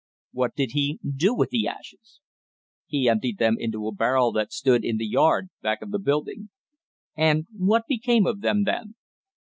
What did he do with the ashes? He emptied them into a barrel that stood in the yard back of the building. And what became of them then?